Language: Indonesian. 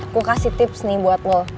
aku kasih tips nih buat lo